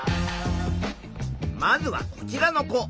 まずはこちらの子。